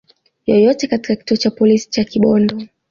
yoyote katika kituo cha polisi cha Kibondo